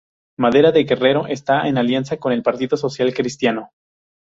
Madera de Guerrero está en alianza con el Partido Social Cristiano.